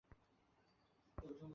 ফিরোজ হাসিমুখে বলল, কি খবর বাবা?